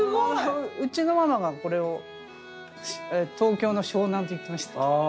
うちの者がこれを東京の湘南と言ってました。